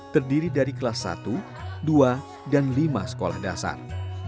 terdiri dari kelas satu dua dan lima sekolah dasar